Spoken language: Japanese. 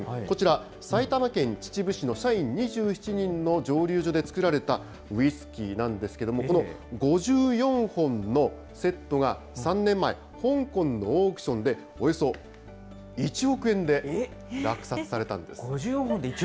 こちら、埼玉県秩父市の社員２７人の蒸留所で造られたウイスキーなんですけども、この５４本のセットが３年前、香港のオークションで、およそ１億円で落札されたんです。